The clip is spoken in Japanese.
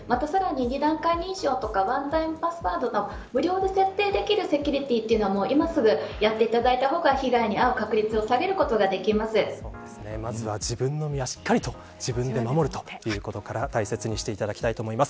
２段階認証とかワンタイムパスワードなど無料で設定できるセキュリティは今すぐやっていただいたほうが被害に遭う確率をまず自分の身はしっかりと自分で守るということから大切にしていただきたいと思います。